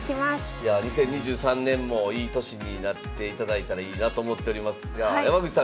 ２０２３年もいい年になっていただいたらいいなと思っておりますが山口さん